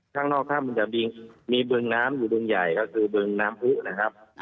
ทางนอกท่ำมันจะมีเบื้องน้ำอยู่เบื้องใหญ่ก็คือเบื้องน้ำผู้นะครับ